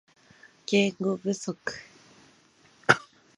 言語不足